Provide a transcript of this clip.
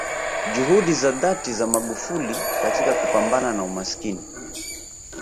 Juhudi za dhati za magufi katika kupambana na umasikini